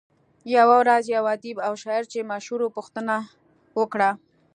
يوه ورځ يو ادیب او شاعر چې مشهور وو پوښتنه وکړه.